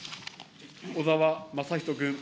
小沢雅仁君。